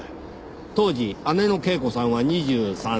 当時姉の恵子さんは２３歳。